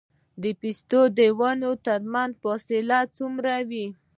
د پستې د ونو ترمنځ فاصله څومره وي؟